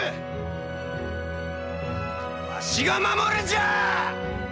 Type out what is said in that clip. わしが守るんじゃあ！